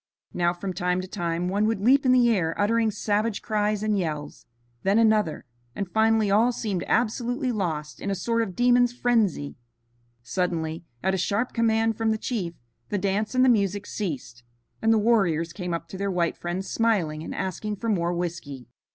Now, from time to time, one would leap in the air uttering savage cries and yells, then another, and finally all seemed absolutely lost in a sort of demon's frenzy. Suddenly, at a sharp command from the chief, the dance and the music ceased, and the warriors came up to their white friends smiling and asking for more whiskey.